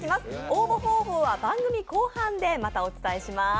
応募方法は番組後半でまたお伝えします。